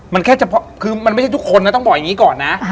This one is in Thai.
มันแค่เฉพาะคือมันไม่ใช่ทุกคนนะต้องบอกอย่างนี้ก่อนนะ